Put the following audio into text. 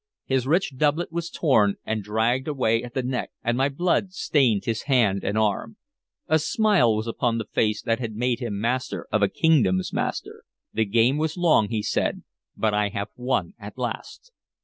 His rich doublet was torn and dragged away at the neck, and my blood stained his hand and arm. A smile was upon the face that had made him master of a kingdom's master. "The game was long," he said, "but I have won at last.